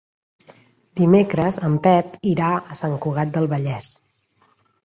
Dimecres en Pep irà a Sant Cugat del Vallès.